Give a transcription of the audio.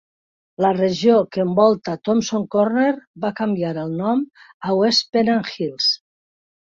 La regió que envolta Thompsons Corner va canviar el nom a West Pennant Hills.